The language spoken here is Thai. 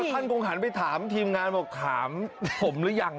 ท่านคงหันไปถามทีมงานบอกถามผมหรือยัง